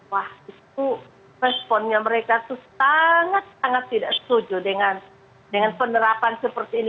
wah itu responnya mereka itu sangat sangat tidak setuju dengan penerapan seperti ini